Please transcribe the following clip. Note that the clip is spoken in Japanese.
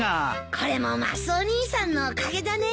これもマスオ兄さんのおかげだね。